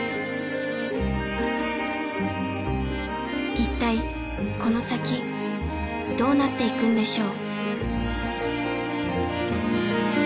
一体この先どうなっていくんでしょう。